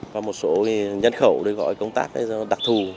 và một số nhân khẩu để gọi công tác đặc thù